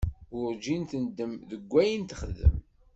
Werǧin tendem deg wayen texdem.